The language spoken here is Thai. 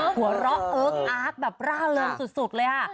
หัวเราะเอิ๊กอาร์กแบบร่าเริงสุดเลยค่ะ